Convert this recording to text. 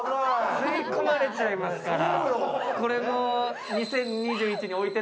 吸い込まれちゃいますから。